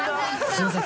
すいません